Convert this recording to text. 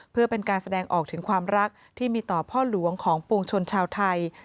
เพื่อเป็นการแสดงออกถึงความรักที่มีต่อพ่อหลวงของปวงชนชาวไทย